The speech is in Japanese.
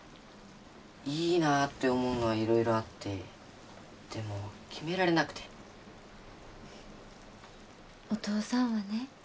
いいなって思うのは色々あってでも決められなくてお父さんはね